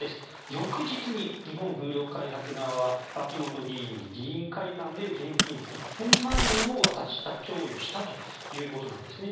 翌日に、日本風力開発側は秋本議員に議員会館で現金１０００万円を渡した供与したということなんですね。